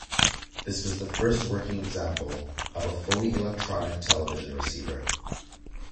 This was the first working example of a fully electronic television receiver.